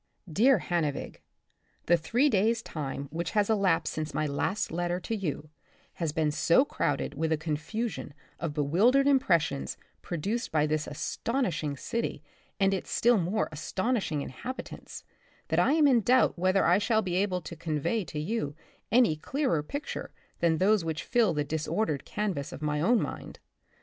Dear Hannevig : The three days* time which has elapsed since my last letter to you, has been so crowded with a confusion of bewildered impressions produced by this astonishing city and its still more aston ishing inhabitants, that I am in doubt whether I shall be able to convey to you any clearer pictures than those which fill the disordered canvas of my own mind.